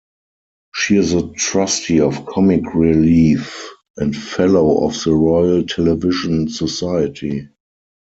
She is a trustee of Comic Relief and fellow of the Royal Television Society.